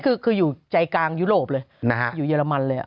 คืออยู่ใจกลางยุโรปเลยนะฮะอยู่เยอรมันเลย